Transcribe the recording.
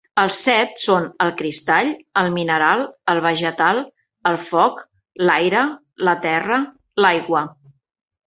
Els set són: el cristall, el mineral, el vegetal, el foc, l'aire, la terra, l'aigua.